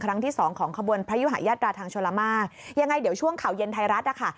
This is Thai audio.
ครั้งที่สองของขบวนพระยุหายาตราทางชลมากยังไงเดี๋ยวช่วงข่าวเย็นไทยรัฐนะคะ